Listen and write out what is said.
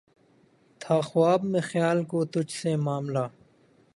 تھا خواب میں خیال کو تجھ سے معاملہ